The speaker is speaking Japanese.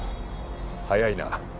早いな。